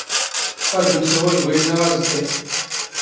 ⵇⴰⴷ ⵏⵎⵙⴰⵡⴰⵍ ⴳ ⵓⵢⵏⵏⴰⵖ ⴰⵙⴽⴽⴰ.